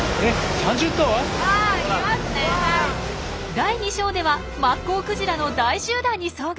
第２章ではマッコウクジラの大集団に遭遇。